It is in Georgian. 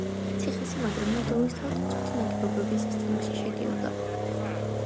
ციხესიმაგრე მოლდოვის თავდაცვითი ნაგებობების სისტემაში შედიოდა.